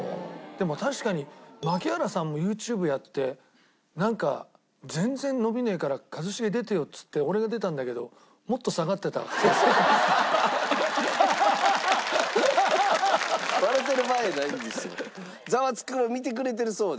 でも確かに槙原さんもＹｏｕＴｕｂｅやってなんか全然伸びねえから一茂出てよっつって俺が出たんだけど笑うてる場合やないんですよ。